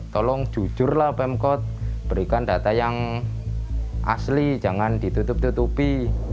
tolong jujurlah pemkot berikan data yang asli jangan ditutup tutupi